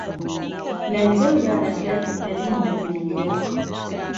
لهنجه و لارهکهت له دین دهرمی کرد